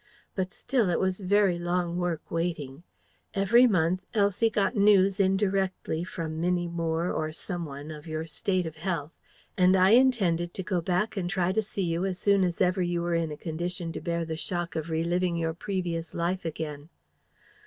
But still, it was very long work waiting. Every month, Elsie got news indirectly from Minnie Moore or someone of your state of health; and I intended to go back and try to see you as soon as ever you were in a condition to bear the shock of re living your previous life again.